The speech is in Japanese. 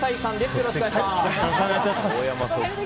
よろしくお願いします。